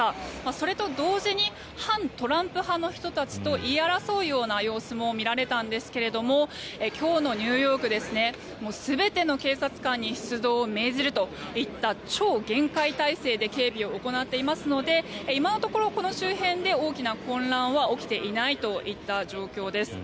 それと同時に反トランプ派の人たちと言い争うような様子も見られたんですが今日のニューヨークは全ての警察官に出動を命じるといった超厳戒態勢で警備を行っていますので今のところこの周辺で大きな混乱は起きていないといった状況です。